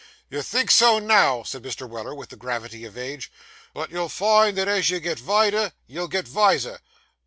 'You think so now,' said Mr. Weller, with the gravity of age, 'but you'll find that as you get vider, you'll get viser.